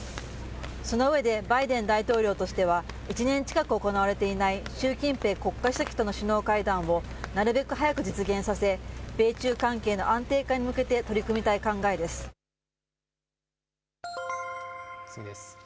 その上で、バイデン大統領としては１年近く行われていない習近平国家主席との首脳会談をなるべく早く実現させ、米中関係の安定化に向けて取次です。